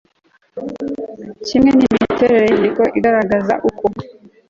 kimwe n imiterere y inyandiko igaragaza uko